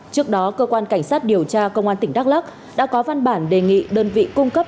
trước đó cơ quan cảnh sát điều tra công an tỉnh đắk lắc đã có văn bản đề nghị đơn vị cung cấp